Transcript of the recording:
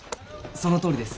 そのとおりです！